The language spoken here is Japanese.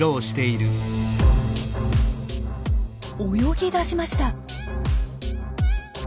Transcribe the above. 泳ぎ出しました。